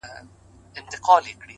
د حقیقت منل پرمختګ چټکوي!.